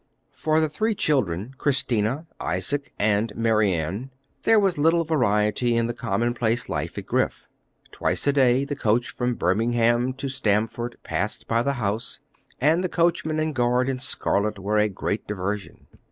For the three children, Christiana, Isaac, and Mary Ann, there was little variety in the commonplace life at Griff. Twice a day the coach from Birmingham to Stamford passed by the house, and the coachman and guard in scarlet were a great diversion.